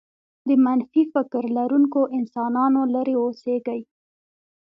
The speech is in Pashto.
د منفي فكر لرونکو انسانانو لرې اوسېږئ.